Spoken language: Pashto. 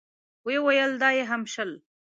ويې ويل: دا يې هم شل.